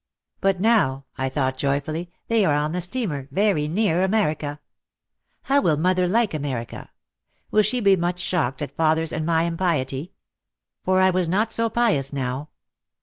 "But now," I thought joyfully, "they are on the steamer, very near America. How will mother like America ? Will she be much shocked at father's and my impiety?" For I too was not so pious now.